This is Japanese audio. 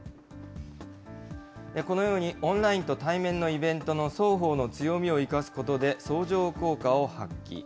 このようにオンラインと対面のイベントの双方の強みを生かすことで相乗効果を発揮。